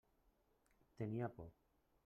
Tenia por.